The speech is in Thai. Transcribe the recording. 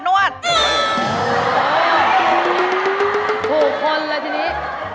โอ้โฮถูกคนเลยทีนี้